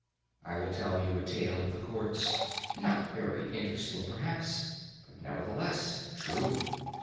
I will tell you a tale of the courts, not very interesting perhaps, but nevertheless true.